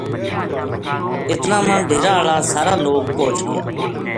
اتنا ما ڈیرا ہالا سارا لوک پوہچ گیا